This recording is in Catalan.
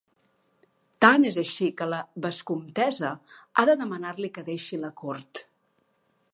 Tant és així que la vescomtessa ha de demanar-li que deixi la cort.